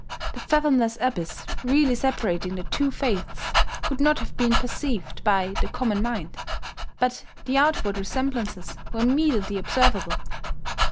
The fathomless abyss really separating the two faiths could not have been perceived by the common mind; but the outward resemblances were immediately observable.